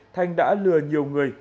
thanh đã lừa nhiều người